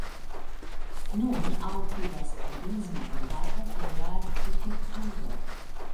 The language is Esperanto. Nun altiras turismon la popola arkitekturo.